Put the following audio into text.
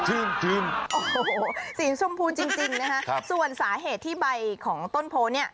ทีมโอ้โหสีชมพูจริงจริงนะฮะส่วนสาเหตุที่ใบของต้นโพเนี่ย